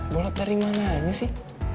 bolak dari mana aja sih